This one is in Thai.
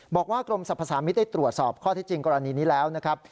บอกว่ากรมสรรพสามิตรได้ตรวจสอบข้อที่จริงกรณีนี้แล้วนะครับ